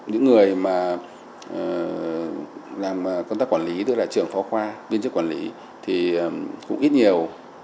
những người mà làm công tác quản lý tức là trưởng phó khoa biên chức quản lý thì cũng ít nhiều